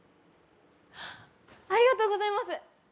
ありがとうございます。